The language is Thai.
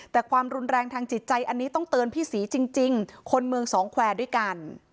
แต่ความรุนแรงทางจิตใจอันนี้ต้องเตือนพี่ศรีจริงคนเมืองสองแควร์ด้วยกัน